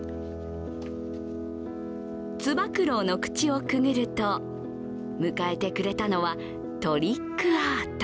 つば九郎の口をくぐると迎えてくれたのはトリックアート。